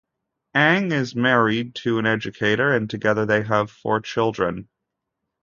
Ang is married to an educator and together they have four children.